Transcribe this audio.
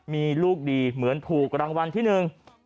มีลูกดีเหมือนถูกรางวัลที่หนึ่ง